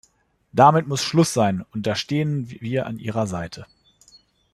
Damit muss Schluss sein, und da stehen wir an Ihrer Seite.